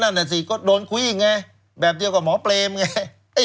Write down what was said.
นั่นน่ะสิก็โดนคุยอีกไงแบบเดียวกับหมอเปรมไง